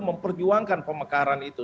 memperjuangkan pemekaran itu